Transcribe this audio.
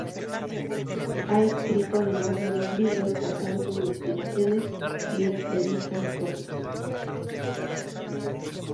Ha escrito además varios libros basados en investigaciones y entrevistas propias.